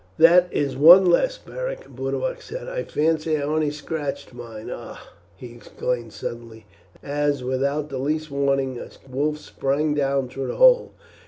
"That is one less, Beric," Boduoc said. "I fancy I only scratched mine. Ah!" he exclaimed suddenly, as without the least warning a wolf sprang down through the hole.